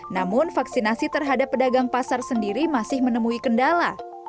namun vaksinasi terhadap pedagang pasar sendiri masih menemui kendala